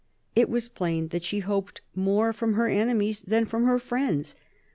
It was plain that she hoped more from her enemies than from her friends.